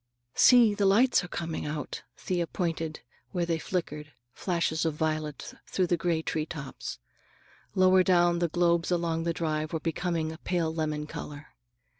"See, the lights are coming out." Thea pointed to where they flickered, flashes of violet through the gray tree tops. Lower down the globes along the drives were becoming a pale lemon color.